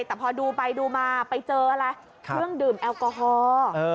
แต่พอดูไปดูมาไปเจออะไรเครื่องดื่มแอลกอฮอล์